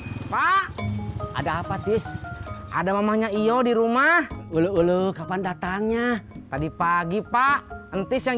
hai pak ada apa tis ada mamanya iyo di rumah ulu ulu kapan datangnya tadi pagi pak entis yang